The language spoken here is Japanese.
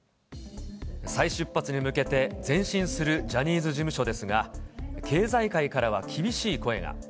再出発に向けて前進するジャニーズ事務所ですが、経済界からは厳しい声が。